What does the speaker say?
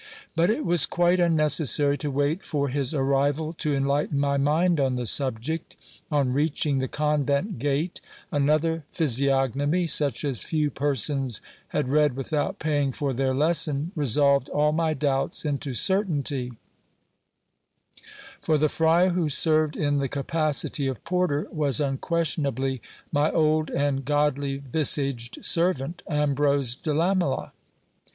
But it was quite unnecessary to wait for his arrival to en lighten my mind on the subject : on reaching the convent gate, another physi ognomy, such as few persons had read without paying for their lesson, resolved all my doubts into certainty ; for the friar who served in the capacity of porter was unquestionably my old and godly visaged servant, Ambrose de Lamela.